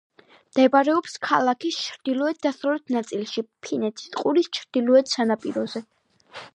მდებარეობს ქალაქის ჩრდილო-დასავლეთ ნაწილში, ფინეთის ყურის ჩრდილოეთ სანაპიროზე.